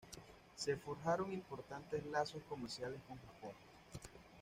Se forjaron importantes lazos comerciales con Japón.